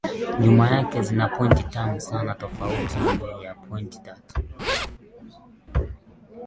nyuma yake zina pointi tatu sana tofauti ya pointi tatu